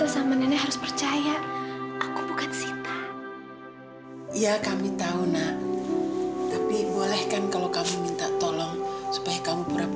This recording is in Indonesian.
sampai jumpa di video selanjutnya